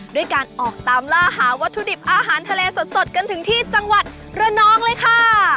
ด้วยการออกตามล่าหาวัตถุดิบอาหารทะเลสดกันถึงที่จังหวัดระนองเลยค่ะ